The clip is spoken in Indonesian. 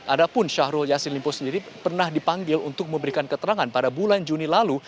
adapun syahrul yassin limpo sendiri pernah dipanggil untuk memberikan keterangan pada bulan juni lalu